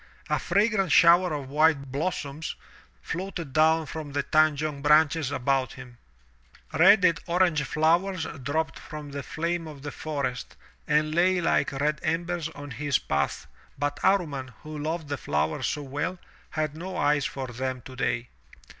A fragrant shower of white blossoms floated down from the tanjong branches about him; red and orange flowers dropped 198 THROUGH FAIRY HALLS from the flame of the forest and lay like red embers on his path, but Amman, who loved the flowers so well, had no eyes for them today.